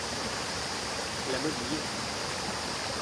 La mode y est.